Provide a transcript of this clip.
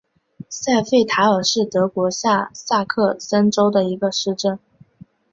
塞费塔尔是德国下萨克森州的一个市镇。